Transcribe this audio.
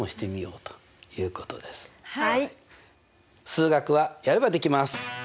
数学はやればできます！